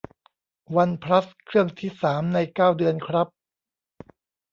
วันพลัสเครื่องที่สามในเก้าเดือนครับ